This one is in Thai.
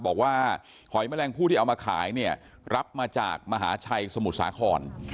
บอกว่าหอยแมลงผู้ที่เอามาขายเนี่ยรับมาจากมหาชัยสมุทรสาคร